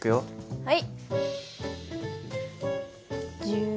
はい。